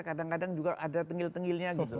kadang kadang juga ada tengil tengilnya gitu